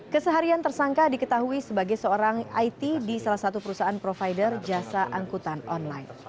keseharian tersangka diketahui sebagai seorang it di salah satu perusahaan provider jasa angkutan online